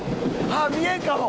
ああ見えんかも！